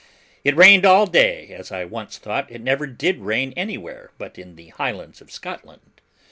It rained all day as I once thought it never did rain anywhere, but in the Highlands of Scotland.